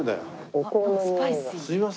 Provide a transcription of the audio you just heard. お香のにおいが。